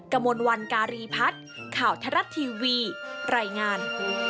กระมวลวันการีพัฒน์ข่าวทรัฐทีวีรายงาน